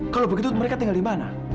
kalau begitu mereka tinggal di mana